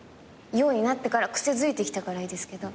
ようになってから癖づいてきたからいいですけど。